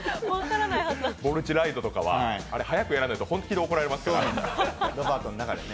ボルトライドとかは早くやらないと本当に怒られますから。